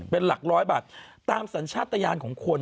เป็นหลักร้อยบาทตามสัญชาติยานของคน